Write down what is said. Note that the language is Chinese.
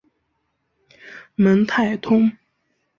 蒙泰通。